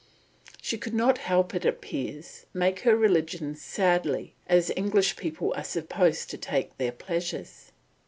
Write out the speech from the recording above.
'" She could not help, it appears, taking her religion sadly, as English people are supposed to take their pleasures.